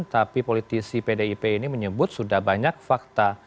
tapi politisi pdip ini menyebut sudah banyak fakta